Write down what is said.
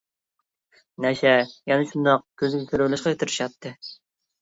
نەشە يەنە شۇنداق كۆزگە كىرىۋېلىشقا تىرىشاتتى.